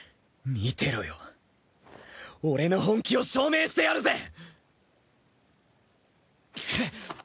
見てろよ。俺の本気を証明してやるぜ！